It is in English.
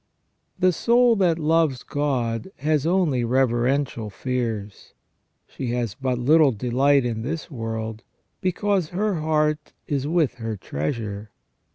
The soul that loves God has only reverential fears. She has but little delight in this world, because her heart is with her treasure.